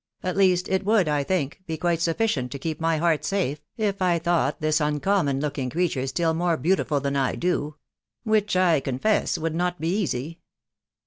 at least, it would, I think, be quite sufficient to keep my heart safe, if I thought this uncommon looking creature still more beautiful than I do .... which, I confess, would not be easy."